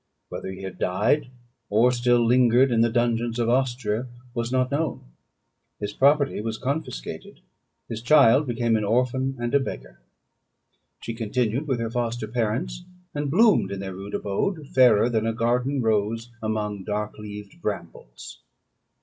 Whether he had died, or still lingered in the dungeons of Austria, was not known. His property was confiscated, his child became an orphan and a beggar. She continued with her foster parents, and bloomed in their rude abode, fairer than a garden rose among dark leaved brambles.